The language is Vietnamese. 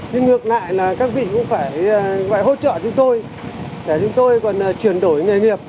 nhưng ngược lại là các vị cũng phải gọi hỗ trợ chúng tôi để chúng tôi còn chuyển đổi nghề nghiệp